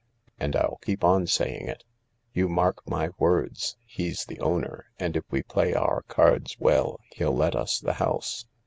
" And I'll keep on saying it . You mark my words. He 's the owner, and if we play our cards well he'll let us the house."